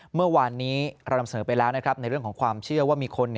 เมื่อวานนี้เรานำเสนอไปแล้วนะครับในเรื่องของความเชื่อว่ามีคน